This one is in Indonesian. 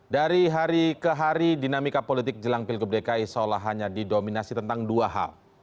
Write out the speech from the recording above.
dari hari ke hari dinamika politik jelang pilgub dki seolah hanya didominasi tentang dua hal